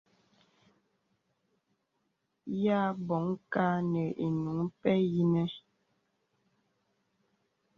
Yà bɔ̀ŋ kà nə inuŋ pɛ̂ yìnə̀.